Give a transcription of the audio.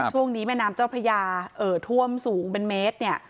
แม่น้ำเจ้าพระยาเอ่อท่วมสูงเป็นเมตรเนี่ย